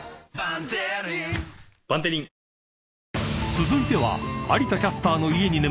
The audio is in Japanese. ［続いては］